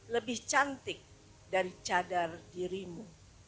lebih cantik dari cadar dirimu